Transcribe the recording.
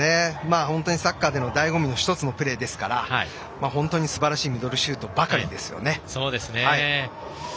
サッカーでのだいご味の１つのプレーですから本当にすばらしいミドルシュートばかりですよね。